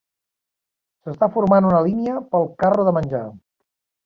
S'està formant una línia per al carro de menjar.